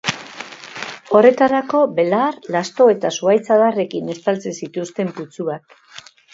Horretarako belar, lasto eta zuhaitz-adarrekin estaltzen zituzten putzuak.